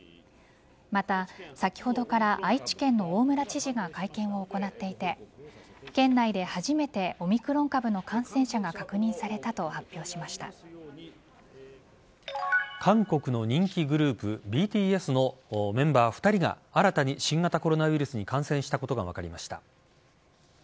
また、先ほどから愛知県の大村知事が会見を行っていて県内で初めてオミクロン株の感染者が確認されたと韓国の人気グループ・ＢＴＳのメンバー２人が新たに新型コロナウイルスに感染したことが分かりました。